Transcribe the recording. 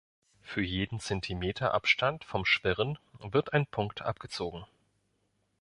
Für jeden Zentimeter Abstand vom Schwirren wird ein Punkt abgezogen.